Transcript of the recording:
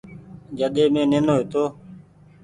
مين جڏي نينو هيتو ۔